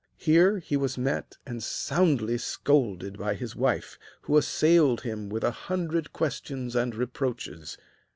Here he was met and soundly scolded by his wife, who assailed him with a hundred questions and reproaches.